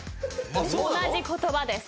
同じ言葉です。